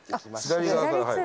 左側から入る。